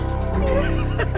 akhirnya rencana kita berakhir